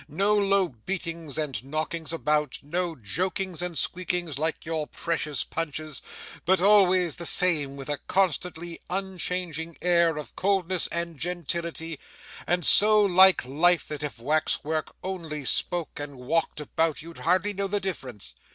No low beatings and knockings about, no jokings and squeakings like your precious Punches, but always the same, with a constantly unchanging air of coldness and gentility; and so like life, that if wax work only spoke and walked about, you'd hardly know the difference.